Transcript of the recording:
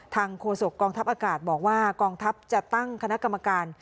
โฆษกองทัพอากาศบอกว่ากองทัพจะตั้งคณะกรรมการ